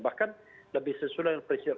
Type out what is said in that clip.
bahkan lebih sesudah yang presiden